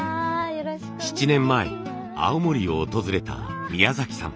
７年前青森を訪れた宮さん。